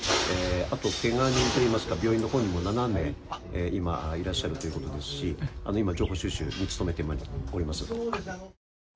あと、けが人といいますか病院のほうにも７名今いらっしゃるということですし今、情報収集に努めております。